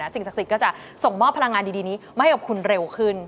สิ่งศักดิ์สิทธิ์ก็จะส่งมอบพลังงานดีนี้มาให้กับคุณเร็วขึ้น